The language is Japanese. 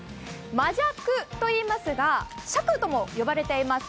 マジャクといいますが、シャクとも呼ばれています。